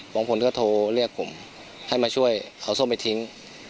บางคนก็โทรเรียกผมให้มาช่วยเอาส้มไปทิ้ง